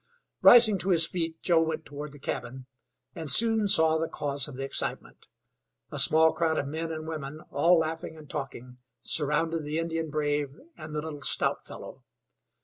Rising to his feet, Joe went toward the cabin, and soon saw the cause of the excitement. A small crowd of men and women, all laughing and talking, surrounded the Indian brave and the little stout fellow.